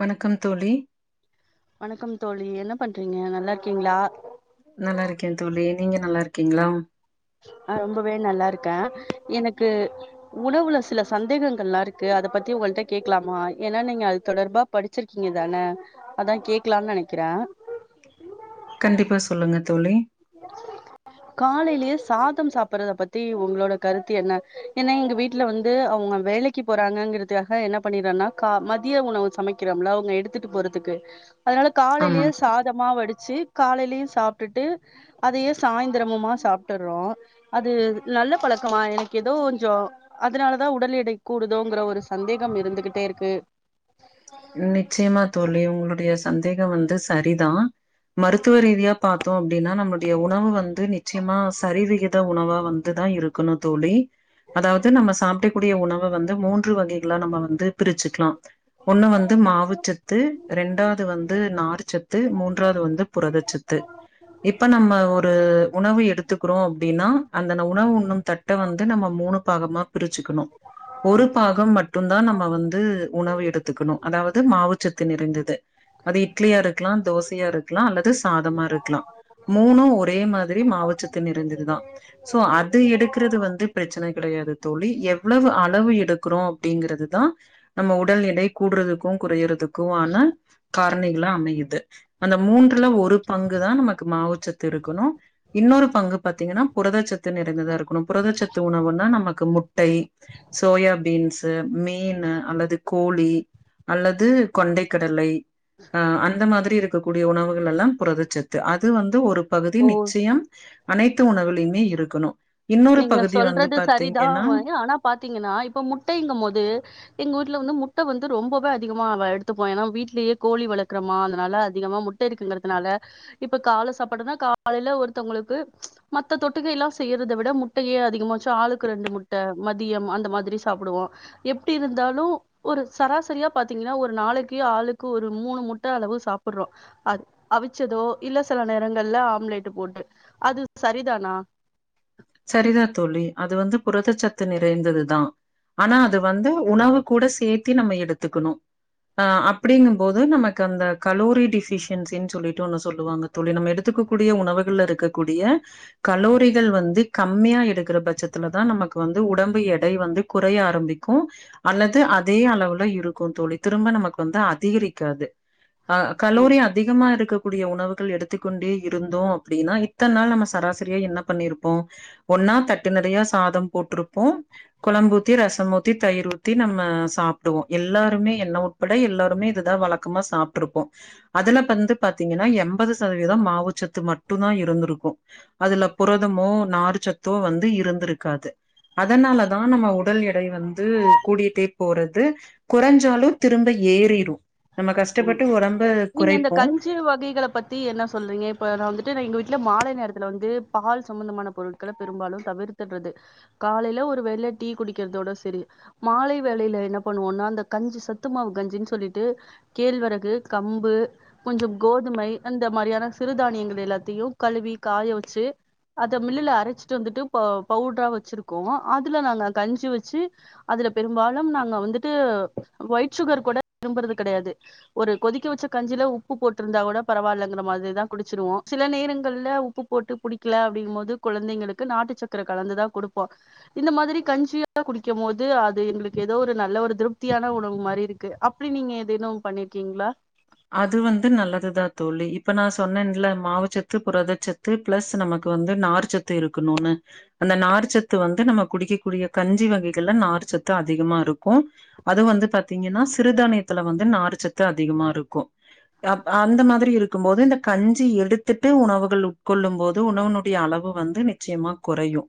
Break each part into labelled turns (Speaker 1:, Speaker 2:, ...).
Speaker 1: வணக்கம் தோழி
Speaker 2: வணக்கம் தோழி என்ன பண்றீங்க நல்லா இருக்கீங்களா?
Speaker 1: நல்லா இருக்கே தோழி நீங்க நல்லாரு ஓகேங்ளா?
Speaker 2: ஆஹ் ரொம்பவே நல்லாருக்கே எனக்கு உணவுல சில சந்தேகங்கள்லா இருக்கு அத பத்தி ஒங்கள்ட கேக்லாமா ஏன்னா நீங்க அது தொடர்பா படிச்சிருக்கீங்க தானே அதா கேக்லான் நெனைக்கிறே
Speaker 1: கண்டிப்பா சொல்லுங்க தோழி
Speaker 2: காலைலயே சாதம் சாப்பட்றத பத்தி ஒங்களோட கருத்து என்ன ஏனா எங்க வீட்ல வந்து அவுங்க வேலைக்கு போறாங்கங்கிறதுக்காக என்ன பண்ணிறனா கா மதிய உணவு சமைக்கிறோம்ல அவுங்க எடுத்துட்டு போறதுக்கு அதனால காலையிலே
Speaker 1: ஆமாங்க
Speaker 2: சாதமா வடிச்சி காலைலயு சாப்டுட்டு அதயே சாய்ந்தரமுமா சாப்ட்டறோ அது நல்ல பழக்கமா எனக்கு எதோ கொஞ்ஜோ அதனாலதா உடல் எடை கூடுதோங்கற ஒரு சந்தேகம் இருந்துகிட்டே இருக்கு
Speaker 1: நிச்சயமா தோழி ஒங்ளுடைய சந்தேகம் வந்து சரிதா மருத்துவ ரீதியா பாத் தோம் அப்டின்னா நம்முடைய உணவு வந்து நிச்சயமா சரிவிகித உணவா வந்துதா இருக்கணு தோழி அதாது நம்ப சாப்படக்க கூடிய உணவ வந்து மூன்று வகை நம்ப வந்து பிரிச்சுக்லா ஒன்னு வந்து மாவுச்சத்து ரெண்டாது வந்து நார்ச் சத்து மூன்றாது வந்து புரதச்சத்து இப்ப நம்ப ஒரு உணவு எடுத்துக்குறோ அப்டின்னா அந்தன உணவு உண்ணும் தட் ட்ட வந்து நம்ப மூணு பாகமா பிரிச்சுகுணு ஒரு பாகம் மட்டு தா நம்ப வந்து உணவு எடுத் துகனு அதாவது மாவுச்சத்து நிறைந்தது அது இட்லியா இருக்லா தோசையா இருக்லா அல்லது சாதமா இருக்லா மூனு ஒரே மாதிரி மாவுச்சத்து நிறைந்ததுதா சோ அது எடுக்றது வந்து பிரச்சனை கெடையாது தோழி எவ்ளவு அளவு எடுக்றோ அப்டிங்கிறதுதா நம்ப உடல் எடை கூட்றதுக்கு குறையறதுக் ஆன காரணிகலா அமையுது அந்த மூன்றுல ஒரு பங்கு தா நமக்கு மாவுச்சத் இருக்குணு இன்னொரு பங்கு பாத்தீங்கன்னா புரதச்சத் நிறைந்ததா இருக்கணு புரதச்சத்து உணவுனா நமக்கு முட்டை சோயா பீன்ஸ் இந்த மீனு அல்லது கோழி அல்லது கொண்டை கடலை ஆ அந்த மாதிரி இரு க்ககூடிய உணவுகள் எல்லா புரதச்சத்து அது வந்து ஒரு பகுதி
Speaker 2: ஓ
Speaker 1: நிச்சயம் அனைத்து உணவுலையுமே இருக்கணு இன்னொரு
Speaker 2: நீங்க
Speaker 1: பகுதி வந்து
Speaker 2: சொல்றது சரிதா
Speaker 1: பாத்தீங்கன்னா
Speaker 2: ஆனா பாத்தீங்கன்னா இப்ப முட்டைங்கு போது எங்க வீட்ல வந்து முட் முட்ட வந்து ரொம்பவே அதிகமா எடுத்துப்போ ஏன்னா வீட்லேயே கோழி வளக்றமா அதனால அதிகமா முட்ட இருக்குங்கறதுனால இப்ப கால சாப்பாடுனா காலைல ஒருதவங்ளுக்கு மத்த தொட்டுக்க எல்லா செய்யறத விட முட்டையே அதிகமாச்சு ஆளுக்கு ரெண்டு முட்ட மதியம் அந்த மாதிரி சாப்டுவோ எப்டி இருந்தாலு ஒரு சராசரியா பாத்தீங்கன்னா ஒரு நாளைக்கு ஆளுக்கு ஒரு மூணு முட்ட அளவு சாப்ர்றோ அத் அவிச்சதோ இல்ல சில நேரங்கள்ல ஆம்லேட்டு போட்டு அது சரிதானா
Speaker 1: சரிதா தோழி அது வந்து புரதச்சத்து நிறைந்ததுதா ஆனா அது வந்து உணவு கூட சேர்த்தி நம்ப எடுத்துக்குணு ஆஹ் அப்டிங்கும்போது நமக்கு அந்த கலோரி டிஃபிஷன்சினு சொல்லிட்டு ஒன்னு சொல்லுவாங்க தோழி நம்ப எடுத்துக்க கூடிய உணவுகள்ல இருக்கக்கூடிய கலோரிகள் வந்து கம்மியா எடுக்கற பட்சத்துல தா நமக்கு வந்து உடம்பு எடை வந்து குறைய ஆரம்பிக்கு அல்லது அதே அளவுல இருக்கு தோழி திரும்ப நமக்கு வந்து அதிகரிக்காது ஆஹ் கலோரி அதிகமா இருக்க கூடிய உணவுகள் எடுத்துக்கொண்டே இருந்தோ அப்படின்னா இத்தநாள் நம்ம சராசரியா என்ன பண்ணியிருப்போ ஒன்னா தட்டு நெறயா சாதம் போட்டுருப்போ கொழம்பூத்தி ரசம் ஊத்தி தயிர் ஊத்தி நம்ம சாப்டுவோ எல்லாருமே என்ன உட்பட எல்லாருமே இதுதா வழக்கமா சாப்ட்டுருப்போ அதுல பந்து பாத்தீங்கன்னா எம்பது சதவீதம் மாவுச்சத்து மட்டுந்தா இருந்துருக்கு அதுல புரதமோ நார்ச்சத்தோ வந்து இருந்துருக்காது அதனாலதா நம்ம உடல் எடை வந்து கூடிட்டே போறது கொறஞ்சாலு திரும்ப ஏறிரு நம்ம கஷ்டப்பட்டு ஒடம்ப
Speaker 2: நீங்க இந்த
Speaker 1: குறைப்போ
Speaker 2: கஞ்சு வகைகள பத்தி என்ன சொல்றீங்க இப்ப நா வந்து ட்டு நா எங்க வீட்டுல மாலை நேரத்துல வந்து பால் சம்பந்தமான பொருட்கள பெரும்பாலு தவிர்த்துடுறது காலையில ஒரு வேள டீ குடிக்கிறதோட சரி மாலை வேளையில என்ன பண்ணுவோனா அந்த கஞ்சு சத்துமாவு கஞ்சுன்னு சொல்லிட்டு கேழ்வரகு கம்பு கொஞ்சொ கோதுமை அந்த மாதிரியான சிறுதானியங்கள் எல்லாத்தையு கழுவி காய வச்சு அத மில்லுல அரைச்சிட்டு வந்துட்டு ப பவுட்ரா வச்சிருக்கோ அதுல நாங்க கஞ்சி வச்சு அதுல பெரும்பாலும் நாங்க வந்துட்டு ஒயிட் சுகர் கூட விரும்புறது கெடையாது ஒரு கொதிக்க வச்ச கஞ்சியில உப்பு போட்டிருந்தா கூட பரவாயில்லங்கிற மாதிரிதா குடிச்சிருவோ சில நேரங்கள்ல உப்பு போட்டு குடிக்கல அப்படிங்க போது குழந்தைங்களுக்கு நாட்டு சக்கர கலந்துதா குடுப்போ இந்த மாதிரி கஞ்சியா குடிக்கம்போது அது எங்களுக்கு எதோ ஒரு நல்ல ஒரு திருப்தியான உணவு மாரி இருக்கு அப்டி நீங்க ஏதேனு பண்ணிருக்கீங்களா
Speaker 1: அது வந்து நல்லதுதா தோழி இப்ப நா சொன்னேன்ல மாவுச்சத்து புரதச்சத்து பிளஸ் நமக்கு வந்து நார்ச்சத்து இருக்குணுனு அந்த நார்ச்சத்து வந்து நம்ம குடிக்கக்கூடிய கஞ்சி வகைகள்ல நார்ச்சத்து அதிகமா இருக்கு அது வந்து பாத்தீங்கன்னா சிறுதானியத்துல வந்து நார்ச்சத்து அதிகமாருக் ரப் அந்த மாதிரி இரு கும்போது இந்த கஞ்சி எடுத்துட்டு உணவுகள் உட்கொள்ளும் போது உணவனுடைய அளவு வந்து நிச்சயமா குறையு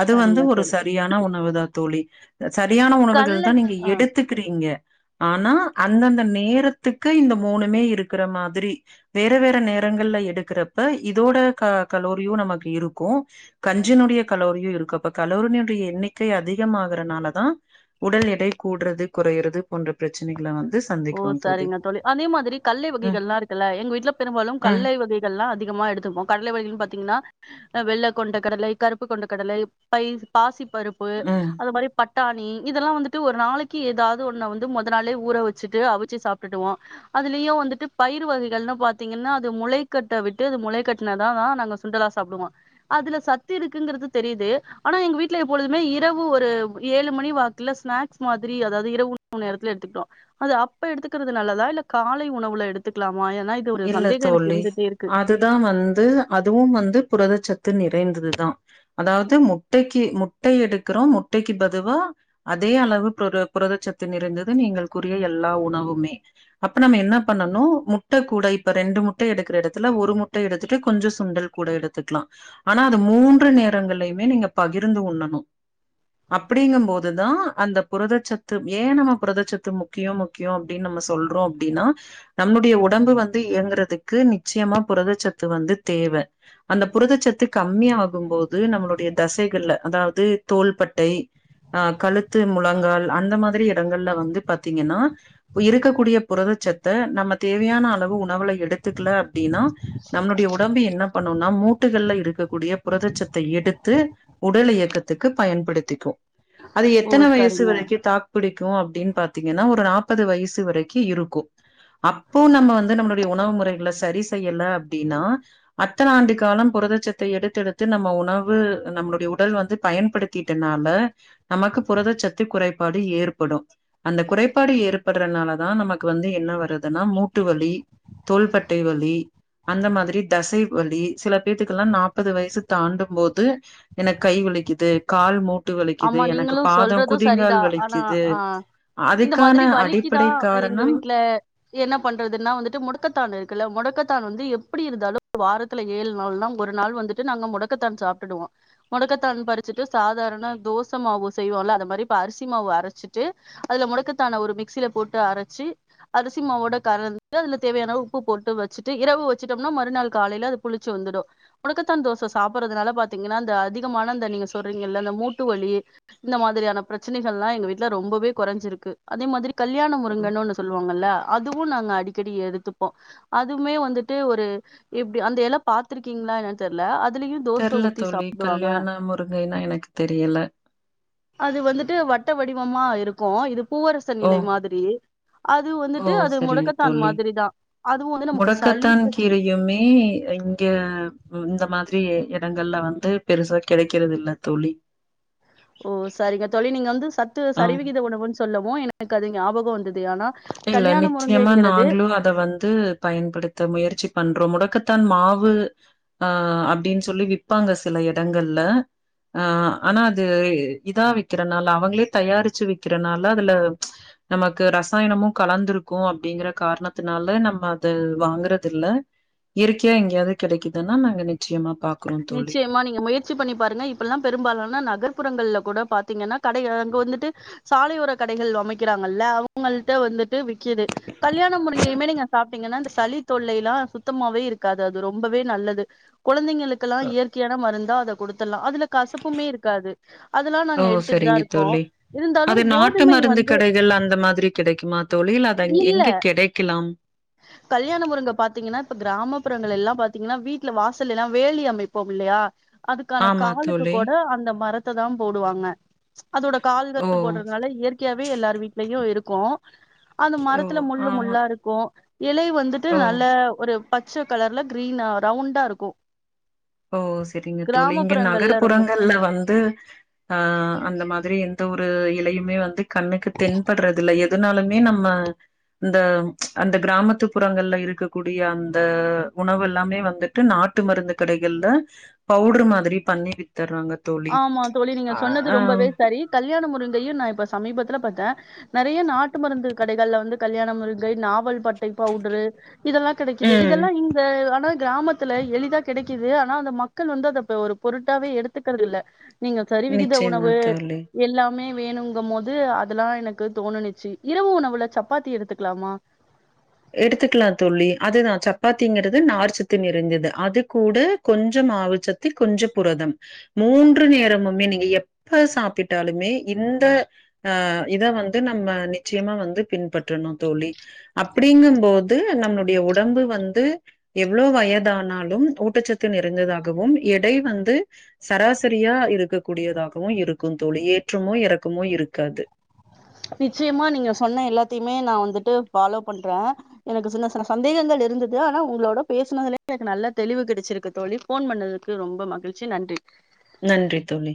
Speaker 1: அது வந்து
Speaker 2: சரிங்க
Speaker 1: ஒரு
Speaker 2: தோழி
Speaker 1: சரியான உணவுதா தோழி சரியான உணவுகள்தா
Speaker 2: கல்லை
Speaker 1: நீங்க
Speaker 2: ஆ
Speaker 1: எடுத்துக்கிறீங்க ஆனா அந்தந்த நேரத்துக் கு இந்த மூனுமே இருக்கிற மாதிரி வேற வேற நேரங்கள்ல எடுக்கிறப்ப இதோட க கலோரியு நமக்கு இருக்கு கஞ்சினுடைய கலோரியு இருக்கு அப்ப கலோரினோடைய எண்ணிக்கை அதிகமாகறனாலதா உடல் எடை கூடுறது கொறையறது போன்ற பிரச்சனைகள வந் து
Speaker 2: ஓ
Speaker 1: சந்திக்கிறோ தோழி
Speaker 2: சரிங்க அதே மாதிரி கல்லை
Speaker 1: ம்
Speaker 2: வகைகள்லா இருக்குல்ல எங்க வீட்ல பெரும்பாலு
Speaker 1: ம்
Speaker 2: கல்லைவகைகள்ளா அதிகமா எடுத்துப்போ கடலை வகைகள் பாத்தீங்கன்னா வெள்ள கொண்ட கடலை கருப்பு கொண்ட கடலை பை பாசி பருப்பு
Speaker 1: ம்
Speaker 2: அது மாறி பட் ட்டாணி இதெல்லா வந்துட்டு ஒரு நாளைக்கு எதாவது ஒன்ன வந்து மொத நாளே ஊற வச் சுட்டு அவிச்சு சாப்ட்டுடுவோ அதுளியு வந்துட்டு பயர் வகைகள்னு பாத்தீங்கன்னா அது முளைக்கட்ட விட்டு அது முளைக்கட்டுனதா தா நாங்க சுண்டலா சாப்புடுவோ அதுல சத்து இருக்குங்கிறது தெரியுது ஆனா எங்க வீட்டுல எப்பொழுதுமே இரவு ஒரு ஏழு மணி வாக்குல ஸ்நாக்ஸ் மாதிரி அதாவது இரவு நேரத்துல எடுத்துக்கிட்டோ அது அப்ப எடுத்துக்குறது நல்லதா இல்ல காலை உணவுல எடுத்துக்கலாம்
Speaker 1: இல்ல தோழி அதுதா வந்து அதுவும் வந்து புரதச்சத்து து நிறைந்ததுதா அதாவது முட்டைக்கு முட்டை எடுக்குறோ முட்டைக்கு பதுவா அதே அளவு புர புரதச்சத்து நிறஞ்சது நீங்கள் கூறிய எல்லா உணவுமே அப்ப நம்ம என்ன பண்ணனு முட்ட கூட இப்ப ரண்டு முட்ட எடுக்குற இடத்துல ஒரு முட் ட எடுத்துட்டு கொஞ்சொ சுண்டல் கூட எடுத் துக்லா ஆனா அது மூன்று நேரங்களையுமே நீங்க பகிர்ந்து உண்ணணு அப்படிங்கம்போதுதா அந்த புரதச்சத்து ஏ நம்ம புரதச்சத்து முக்கியொ முக்கியொ அப்டின்னு நம்ம சொல்றோ அப்டின்னா நம்முடைய உடம்பு வந் து இயங்கறதுக்கு நிச்சயமா புரதச்சத்து வந்து தேவ அந்த புரதச்சத்து கம்மி ஆகும்போது நம்மளுடைய தசைகள்ல அதாவது தோளபட்டை அ கழுத்து முழங்கால் அந்த மாதிரி இடங்கள்ல வந்து பாத்தீங்கன்னா இருக்கக்கூடிய புரதச்சத்த நம்ம தேவையான அளவு உண் ணவுல எடுத்துக்கல அப்டின்னா நம்ளுடைய உடம்பு என்ன பண்ணுனா மூட்டுகள்ல இருக்கக்கூடிய புரத சத்த எடுத்து உடல் இயக்கத்துக்கு பயன்படுத்திக்கு அது
Speaker 2: ஓ
Speaker 1: எத்தன
Speaker 2: சரிங்க
Speaker 1: வயசு வரைக்கு தாக்கு புடிக் கு அப்டின்னு பாத்தீங்கன்னா ஒரு நாப்பது வயசு வரைக்கு இருக்கு அப்போ நம்ம வந்து நம்மளோட உணவு முறைகள சரி செய்யல அப்டின்னா அத்தன ஆண்டு காலம் புரத சத்த எடுத்தெடுத்து நம்ம உணவு நம்மளுடைய உடல் வந்து பயன்படுத்திட்டனால நமக்கு புரதச்சத்து குறைபாடு ஏற்படு அந்த குறைபாடு ஏற்படுறனாலதா நமக்கு வந்து என்ன வருதுன்னா மூட்டுவலி தோள்பட்டை வலி அந்த மாதிரி தசை வலி சில பேத்துக்கெல்லா நாப்பது வயசு தாண்டம் போது எனக்கு கை வலிக்குது கால் மூட்
Speaker 2: ஆமா நீங்களு சொல்றது சரிதா ஆனா
Speaker 1: வலிக்குது
Speaker 2: ஆ இந்த
Speaker 1: அதுக்கான
Speaker 2: மாதிரி வலிக்குதா
Speaker 1: அடிப்படை
Speaker 2: எங்க
Speaker 1: காரணம்
Speaker 2: வீட்ல என்ன பண்றதுன்னா வந்துட்டு முட க்கத்தான் இருக்குல்ல முடக்கத்தான் வந்து எப்டி இருந்தாலும் வாரத்துல ஏழு நாள்னா ஒரு நாள் வந்துட்டு நாங்க முடக்கத்தான் சாப்ட்டுடுவோ முடக்கத்தான் பறிச்சுட்டு சாதாரண தோச மாவு செய்வோல அது மாரி அரிசி மாவு ப்ப அரைச்சிட்டு அதுல முடக்கத்தான ஒரு மிக்சியில போட்டு அரைச்சு அரிசி மாவோட கலந்துட்டு அதுல தேவையான உப்பு போட்டு வச்சுட்டு இரவு வச்சுட்டோம்னா மறுநாள் காலையில அது புளிச்சு வந்துடு முடக்கத்தான் தோச சாப்படுறதுனால பாத்தீங்கன்னா அந்த அதிகமான இந்த நீங்க சொல்றீங்கள இந்த மூட் மூட்டு வலி இந்த மாதிரியான பிரச்சனைகள்லா எங்க வீட்டுல ரொம்பவே கொறஞ்சிருக்கு அதே மாதிரி கல்யாண முருங்கன்னு ஒன்னு சொல்லுவாங்கல்ல அதுவு நாங்க அடிக்கடி எடுத்துப்போ அதுமே வந்துட்டு ஒரு எப்டி அந்த எல பா்த்திருக்கீங்களா என்னான்னு தெர்ல அது
Speaker 1: தெர்லத் தோழி கல்யாண முருங்கைனா எனக்கு தெரியல
Speaker 2: அது வந்துட்டு வட்ட வடி வமா இருக்கு இது பூவரசன்
Speaker 1: ஓ
Speaker 2: இலை மாதிரியே
Speaker 1: ஓ செரிங்க தோழி
Speaker 2: மாதிரிதா அதுவு வந்து நமக்கு சளி
Speaker 1: முடக்கத்தான்
Speaker 2: பிரச்சன
Speaker 1: கீரையுமே இங்க இந்த மாதிரி இடங்கள்ல வந்து பெருசா கெடைக்கறது இல்ல தோழி
Speaker 2: ஓ சரிங்க தோழி நீங்க வந்து சத்து
Speaker 1: ஆ
Speaker 2: சரிவிகிதோ உணவு சொல்லவு எனக்கு அது ஞாபகம் வந்தது ஆனா
Speaker 1: இல்ல
Speaker 2: கல்யாண
Speaker 1: நிச்சயமா
Speaker 2: முருங்கைங்கிறது
Speaker 1: நாங்களு அத வந்து பயன்படுத்த முயற்சி பண்றோ முடக்கத் தான் மாவு அ அப்டின் சொல்லி விப்பாங்க சில இடங்கள்ல அ ஆனா அது இ இதா விக்கறனால அவங்களே தயாரிச்சு விக்கறனால அதுல நமக்கு ரசாயனமு கலந்துருக்கு அப்டிங்கற காரணத்துனால நம்ம அது வாங்கறது இல்ல இயற்கையா எங்கேயாவது கெடைக்கிதுன்னா நாங்க நிச்சயமா பாக்குறோ தோழி
Speaker 2: நிச்சயமா நீங்க முயற்சி பண்ணி பாருங்க இப்பல்லா பெரும்பாலான்ன நகர்ப்புறங்கள்ல கூட பாத்தீங்ன்னா கடை அங்க வந்துட்டு சாலையோர கடைகள் அமைக்கிறாங்கல்ல அவுங்கள்ட்ட வந்துட்டு விக்கிது கல்யாணம் முறைங்கையுமே நீங்க சாப்டிங்கன்னா இந்த சளி தொல்லெல்லா சுத்தமாவே இருக்காது அது ரொம்பவே நல்லது கொழந்தைங்கள் ல்லா
Speaker 1: அ,
Speaker 2: இயற்கையான மருந்தா கொடுத்தர்லா அதுல கசப்புமே இருக்காது அதெல்லா
Speaker 1: ஓ
Speaker 2: நாங்க எடுத்துட்டுதா
Speaker 1: சரிங்க
Speaker 2: இருக்கோ
Speaker 1: தோழி
Speaker 2: இருந்தாலு கோதுமை வந்து
Speaker 1: கிடைக்குமா
Speaker 2: இல்ல கல்யாண முருங்க பாத்தீங்கன்னா இப்ப கிராமப் புறங்களெல்லாம் பாத்தீங்கின்னா வீட்ல வாசலெல்லா வேலி அமைப்போம் இல்லையா அதுக்கான
Speaker 1: ஆமா
Speaker 2: காலுக்கு
Speaker 1: தோழி
Speaker 2: கொட அந்த மரத்து தான் போடுவாங்க அதோட
Speaker 1: ஓ
Speaker 2: கால்கள் போடுறதுனால இயற்கையாவே எல்லாரு வீட்லயு இருக்கு அந்த
Speaker 1: ஓ
Speaker 2: மரத்துல முள்ளு
Speaker 1: ஆஹா
Speaker 2: முள்ளாருக்கு இலை வந்துட்டு
Speaker 1: ஓ
Speaker 2: நல்ல ஒரு பச்ச கலர்ல கிரீனா ரவுண்டா இருக்கு
Speaker 1: ஓ செரிங்க தோழி இங்க
Speaker 2: கிராமப்புறங்கள்ல ரொம்ப
Speaker 1: நகர்ப்புறங்கள்ல வந்து அ அந்த மாதிரி எந்த ஒரு இலையுமே வந்து கண்ணுக்கு தென்படுறதுல்ல எதனாலுமே நம்ம இந்த அந்த கிராமத்து புறங்கள்ல இருக்கக்கூடிய அந்த உணவெல்லாமே வந்துட்டு நாட்டு மருந்து கடை கள்ல பவுடர் மாதிரி பண்ணி வித்
Speaker 2: ஆமா தோழி நீங்க சொன்னது
Speaker 1: ஆ
Speaker 2: ரொம்பவே சரி கல்யாணம் முருங் கையு நா இப்ப சமீபத்துல பாத்த நறைய நாட்டு மருந்து கடைகள்ல வந்து கல்யாணம் முருங்கை நாவல் பட்டை பவுடரு இதெல்லா கெடைக்குது
Speaker 1: ம்
Speaker 2: இதெல்லா இந்த ஆனா கிராமத்துல எளிதா கெடைக்கிது ஆனா அந்த மக்கள் வந்து அத ஒரு பொருட்டாவே எடுத்துக் துக்கறதுல்ல நீங்க சரிவிகித
Speaker 1: நிச்சயமா
Speaker 2: உணவு
Speaker 1: தோழி
Speaker 2: எல்லாமே வேணுங்கும் போோது வேணுங்கம்போது அதெல்லா எனக்கு தோணுனிச்சு இரவு உணவுல சப்பாத்தி எடுத்துக்கலாமா
Speaker 1: எடுத்துக்கலா தோழி அதுதா சப்பாத்திங்கிறது நார்ச்சத்து நிறைந்தது அது கூட கொஞ்சம் மாவு சத்து கொஞ்ச புரதம் மூன்று நேரமுமே நீங்க எப்ப சாப்பிட்டாலுமே இந்த ஆ இத வந்து நம்ம நிச்சயமா வந்து பின்பற்றணு தோழி அப்டிங்கும் போது நம்முடைய உடம்பு வந்து எவ்ள வயதானாலும் ஊட்டச்சத்து நிறைந்ததாகவும் எடை வந்து சராசரியா இருக்க கூடியதாகவு இருக்கு தோழி ஏற்றமோ இறக்கமோ இருக்காது
Speaker 2: நிச்சயமா நீங்க சொன்ன எல்லாத்தையுமே நா வந்துட்டு ஃபாலோ பண்ற எனக்கு சின்ன சின்ன சந்தேகங்கள் இருந்தது ஆனா உங்களோட பேசனதுலயே எனக்கு நல்லா தெளிவு கெடச்சிருக்கு தோழி ஃபோன் பண்ணதுக்கு ரொம்ப மகிழ்ச்சி நன்றி
Speaker 1: நன்றி தோழி